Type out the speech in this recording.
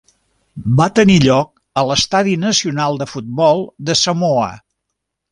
Va tenir lloc a l'Estadi Nacional de Futbol de Samoa.